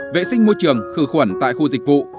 vệ sinh môi trường khử khuẩn tại khu dịch vụ